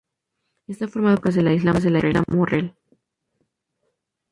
Está formada por lava y rocas de la isla Morrell.